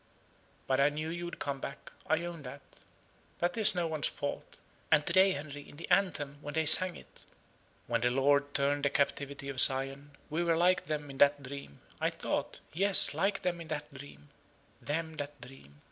But I knew you would come back I own that. That is no one's fault. And to day, Henry, in the anthem, when they sang it, 'When the Lord turned the captivity of Zion, we were like them that dream,' I thought, yes, like them that dream them that dream.